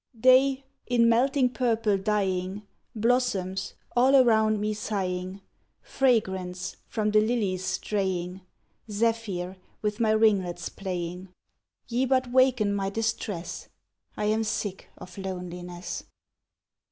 Day, in melting purple dying; Blossoms, all around me sighing; Fragrance, from the lilies straying; Zephyr, with my ringlets playing; Ye but waken my distress; I am sick of loneliness!